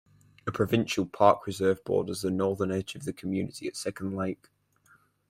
A provincial park reserve borders the northern edge of the community at Second Lake.